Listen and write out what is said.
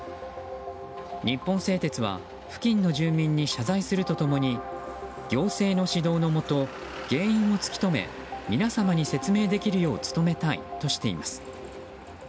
日本製鉄は付近の住民に謝罪すると共に行政の指導のもと原因を突き止め皆様に説明できるよう努めたいとしています。